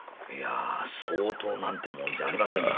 「相当」なんてもんじゃありません。